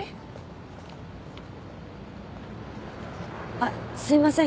あっすいません